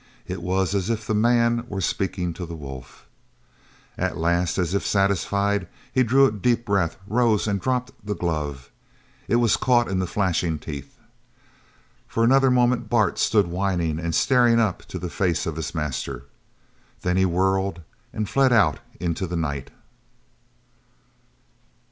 It was as if the man were speaking to the wolf. At last, as if satisfied, he drew a deep breath, rose, and dropped the glove. It was caught in the flashing teeth. For another moment Bart stood whining and staring up to the face of his master. Then he whirled and fled out into the night.